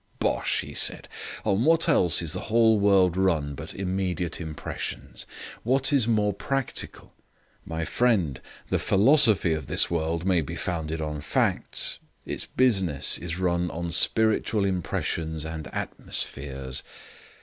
"Bosh," he said. "On what else is the whole world run but immediate impressions? What is more practical? My friend, the philosophy of this world may be founded on facts, its business is run on spiritual impressions and atmospheres.